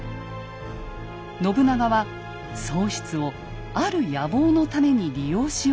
信長は宗室をある野望のために利用しようとします。